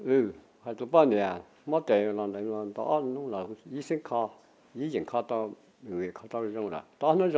ừ hai chú bác nhẹn mất trẻ y sinh khá y sinh khá tất cả y sinh khá tất cả y sinh khá tất cả y sinh khá tất cả y sinh khá tất cả y sinh khá tất cả y sinh khá